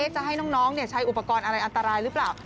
จะให้น้องใช้อุปกรณ์อะไรอันตรายหรือเปล่า